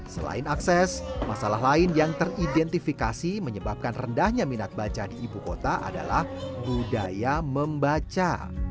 selain akses masalah lain yang teridentifikasi menyebabkan rendahnya minat baca di ibu kota adalah budaya membaca